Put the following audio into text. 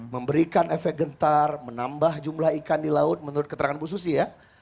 memberikan efek gentar menambah jumlah ikan di laut menurut keterangan bu susi ya